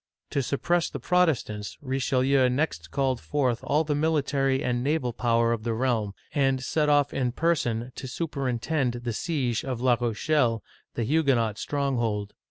To suppress the Protestants, Richelieu next called forth all the military and naval power of the realm, and set off in person to superintend the siege of La Rochelle, the Huguenot stronghold.